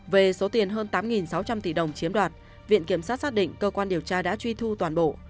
về số tiền hơn tám sáu trăm linh tỷ đồng chiếm đoạt viện kiểm sát xác định cơ quan điều tra đã truy thu toàn bộ